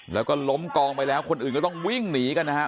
แล้วก็ล้มกองไปแล้วคนอื่นก็ต้องวิ่งหนีกันนะครับ